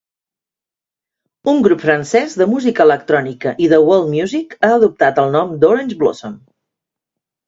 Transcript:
Un grup francès de música electrònica i de world music ha adoptat el nom d'Orange Blossom.